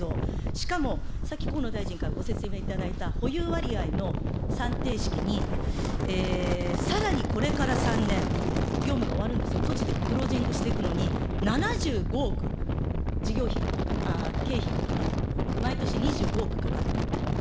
しかもさっき河野大臣からご説明いただいた保有割合の算定式にさらにこれから３年、業務が終わるんですよ、閉じてく、クロージングしていくのに、７５億、事業費がかかる、経費がかかる、毎年２５億かかる。